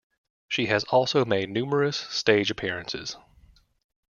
She has also made numerous stage appearances.